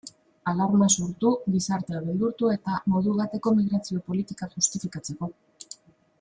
Alarma sortu, gizartea beldurtu, eta modu bateko migrazio politikak justifikatzeko.